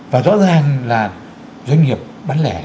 và rõ ràng là doanh nghiệp bán lẻ